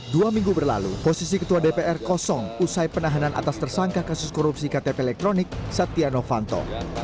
dua minggu berlalu posisi ketua dpr kosong usai penahanan atas tersangka kasus korupsi ktp elektronik setia novanto